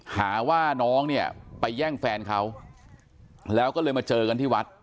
หาว่าน้องเนี่ยไปแย่งแฟนเขาแล้วก็เลยมาเจอกันที่วัด